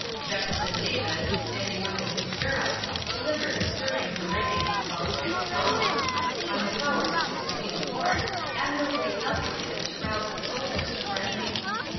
Jefferson Davis, standing up in his stirrups, delivered a stirring harangue, about six columns, on the powers of the Supreme Court, admirably calculated to rouse the soldiers to frenzy.